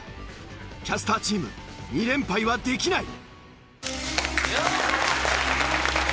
キャスターチーム２連敗はできない。